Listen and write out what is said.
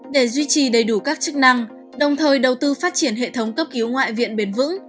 để duy trì đầy đủ các chức năng đồng thời đầu tư phát triển hệ thống cấp cứu ngoại viện bền vững